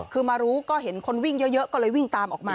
คือมารู้ก็เห็นคนวิ่งเยอะก็เลยวิ่งตามออกมา